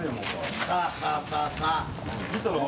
さあさあさあさあ。